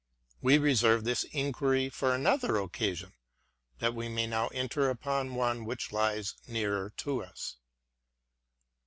We reserve this inquiry for another occasion, that we may now enter upon one which lies nearer to us.